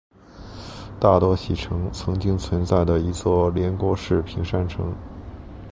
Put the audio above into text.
大多喜城曾经存在的一座连郭式平山城。